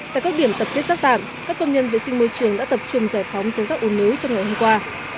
tại các điểm tập kết rác tạm các công nhân vệ sinh môi trường đã tập trung giải phóng số rác u nứ trong ngày hôm qua